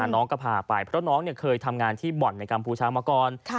น้องก็พาไปเพราะน้องเคยทำงานที่บ่อนในกัมพูชามาก่อน